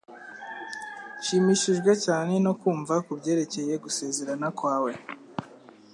Nshimishijwe cyane no kumva kubyerekeye gusezerana kwawe